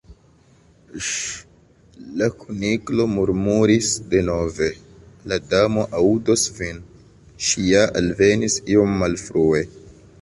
"Ŝ—!" la Kuniklo murmuris denove "la Damo aŭdos vin. Ŝi ja alvenis iom malfrue.